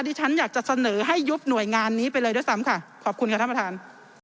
ที่ฉันอยากจะเสนอให้ยุบหน่วยงานนี้ไปเลยด้วยซ้ำค่ะขอบคุณค่ะท่านประธาน